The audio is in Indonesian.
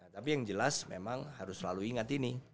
tapi yang jelas memang harus selalu ingat ini